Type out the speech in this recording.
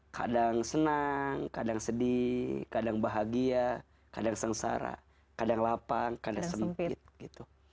kadang senang kadang sedih kadang bahagia kadang sengsara kadang lapang kadang sempit gitu